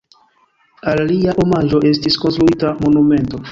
Al lia omaĝo estis konstruita monumento.